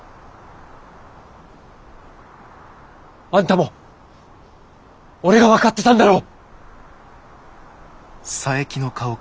あんたも俺が分かってたんだろ？